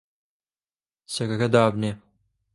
چەکەکە دابنێ!